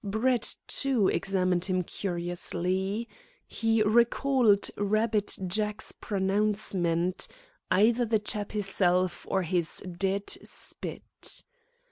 Brett, too, examined him curiously. He recalled "Rabbit Jack's" pronouncement "either the chap hisself or his dead spit."